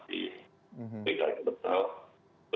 lebih lebih dan teknis